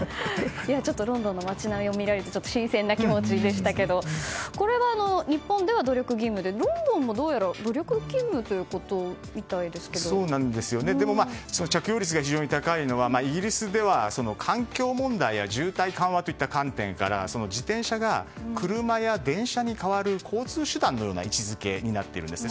ロンドンの街並みも見られて新鮮な気持ちでしたけどこれは日本では努力義務でロンドンでは、どうやらでも、着用率が非常に高いのはイギリスでは、環境問題や渋滞緩和といった観点から自転車が車や電車に代わる交通手段になっているんですね。